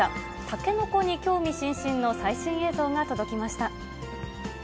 タケノコに興味津々の最新映像が届きました。